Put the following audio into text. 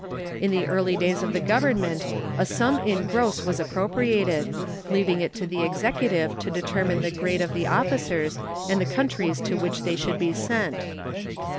In the early days of the Government a sum in gross was appropriated, leaving it to the Executive to determine the grade of the officers and the countries to which they should be sent.